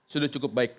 sudah cukup baik